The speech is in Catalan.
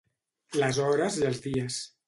Les hores i els dies.